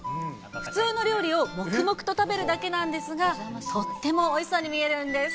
普通の料理を黙々と食べるだけなんですが、とってもおいしそうに見えるんです。